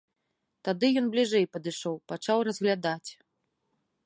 Тады ён бліжэй падышоў, пачаў разглядаць.